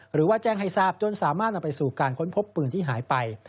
หรือว่าแจ้งให้ทราบจนสามารถนำไปสู่การค้นพบปืนที่หายไป